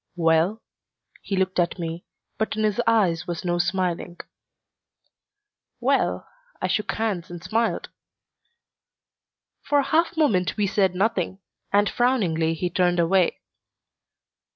"Well?" He looked at me, but in his eyes was no smiling. "Well?" I shook hands and smiled. For a half moment we said nothing, and frowningly he turned away.